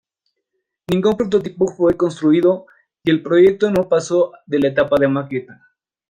Ningún prototipo fue construido y el proyecto no pasó de la etapa de maqueta.